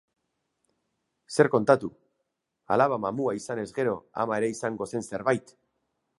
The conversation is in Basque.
Zer kontatu, alaba mamua izanez gero ama ere izango zen zerbait!